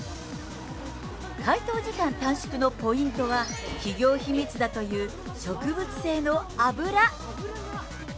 解凍時間短縮のポイントは、企業秘密だという植物性の油。